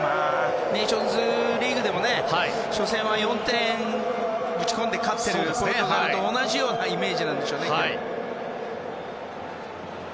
ネーションズリーグでも初戦は４点ぶち込んで勝っているポルトガルと同じようなイメージでしょうね。